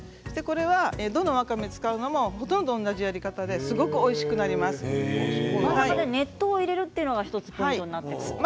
どのわかめを使うのもほとんど同じやり方で熱湯を入れるというのが１つポイントになるんですね。